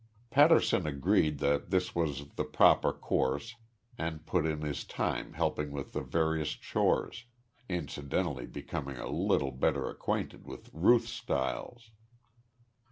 Patterson agreed that this was the proper course and put in his time helping with the various chores, incidentally becoming a little better acquainted with Ruth Stiles.